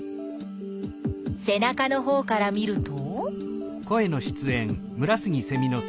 せなかのほうから見ると？